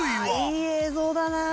いい映像だなあ。